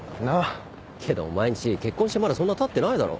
けどお前んち結婚してまだそんなたってないだろ。